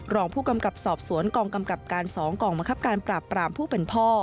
รองผู้กำกับสอบสวนกองกำกับการ๒กองบังคับการปราบปรามผู้เป็นพ่อ